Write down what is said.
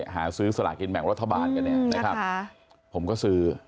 หาซื้อสละกินแบบรัฐบาลกันเนี่ยผมก็ซื้อ